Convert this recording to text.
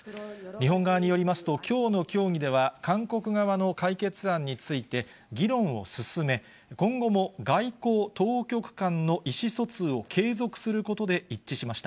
日本側によりますと、きょうの協議では、韓国側の解決案について議論を進め、今後も外交当局間の意思疎通を継続することで一致しました。